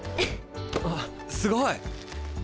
あっすごい！